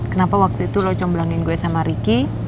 kenapa waktu itu lo comblangin gue sama ricky